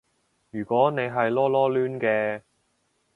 如果你係囉囉攣嘅